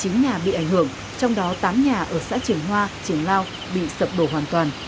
một trăm một mươi chín nhà bị ảnh hưởng trong đó tám nhà ở xã triển hoa triển lao bị sập đổ hoàn toàn